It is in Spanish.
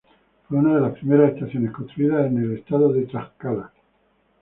Fue una de las primeras estaciones construidas en el estado de Tlaxcala.